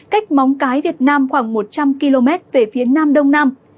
cách móng cái việt nam khoảng một trăm linh km về phía nam đông nam